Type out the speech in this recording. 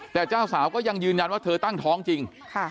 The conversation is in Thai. แต่เจ้าสาวก็ยังยืนยันว่าเธอตั้งท้องจริง